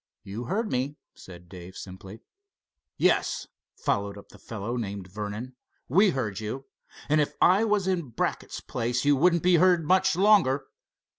"You heard me," said Dave, simply. "Yes," fired up the fellow named Vernon; "we heard you, and if I was in Brackett's place you wouldn't be heard much longer.